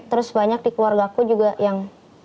terus banyak di keluarga aku juga yang